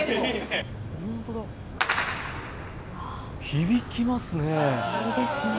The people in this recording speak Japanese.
響きますね。